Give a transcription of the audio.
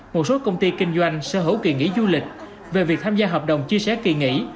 một số công ty kinh doanh sở hữu kỳ nghỉ du lịch về việc tham gia hợp đồng chia sẻ kỳ nghỉ